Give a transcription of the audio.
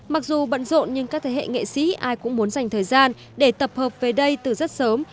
mặc dù bận rộn nhưng các thế hệ nghệ sĩ ai cũng muốn dành thời gian để tập hợp về đây từ rất sớm